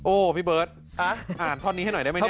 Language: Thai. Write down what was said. โอ้พี่เบิร์ดอ่านพอดนี้ให้หน่อยได้มั้ยเนี่ย